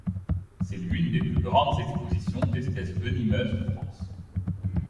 C'est l'une des plus grandes expositions d'espèces venimeuses de France.